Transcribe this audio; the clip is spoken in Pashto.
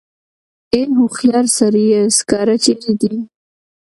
ای هوښیار سړیه سکاره چېرې دي.